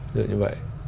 giờ như vậy